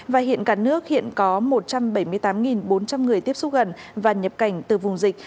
và hiện cả nước hiện có một trăm bảy mươi tám bốn trăm linh người tiếp xúc gần và nhập cảnh từ vùng dịch